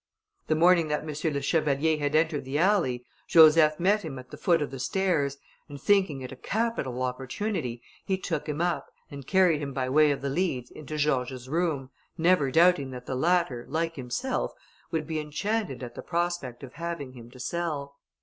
The morning that M. le Chevalier had entered the alley, Joseph met him at the foot of the stairs, and thinking it a capital opportunity, he took him up, and carried him by way of the leads into George's room, never doubting that the latter, like himself, would be enchanted at the prospect of having him to sell.